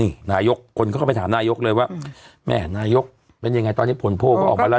นี่นายกคนก็เข้าไปถามนายกเลยว่าแม่นายกเป็นยังไงตอนนี้ผลโพลก็ออกมาแล้ว